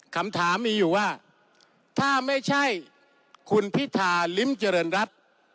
คำถามมีอยู่ว่าถ้าไม่ใช่คุณพิธาลิ้มเจริญรัฐ